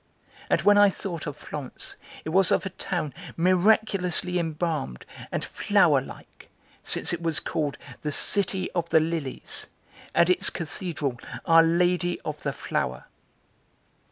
And when I thought of Florence, it was of a town miraculously embalmed, and flower like, since it was called the City of the Lilies, and its Cathedral, Our Lady of the Flower.